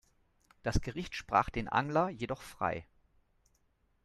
Das Gericht sprach den Angler jedoch frei.